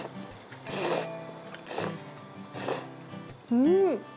うん！